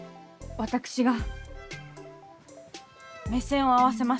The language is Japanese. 私が目線を合わせます。